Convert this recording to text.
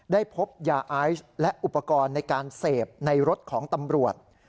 พบยาไอซ์และอุปกรณ์ในการเสพในรถของตำรวจ